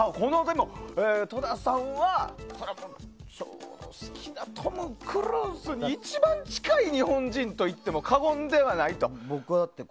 戸田さんは省吾が好きなトム・クルーズに一番近い日本人といっても過言ではないと。